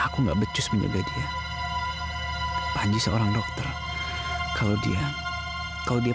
kamu sabar dulu ya